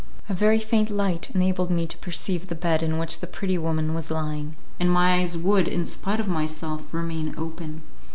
A very faint light enabled me to perceive the bed in which the pretty woman was lying, and my eyes would, in spite of myself, remain open.